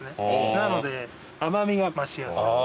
なので甘味が増しやすい。